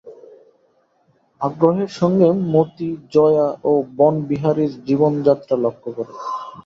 আগ্রহের সঙ্গে মতি জয়া ও বনবিহারীর জীবনযাত্রা লক্ষ করে।